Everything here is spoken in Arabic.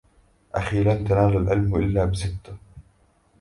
أخي لن تنال العلم إلا بستة